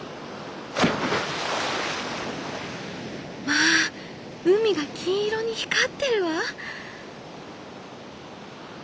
「まあ海が金色に光ってるわ！」。